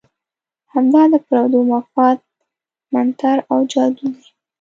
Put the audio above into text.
همدا د پردو مفاد منتر او جادو دی.